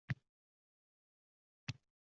Nahotki, hali ham o`tish davridamiz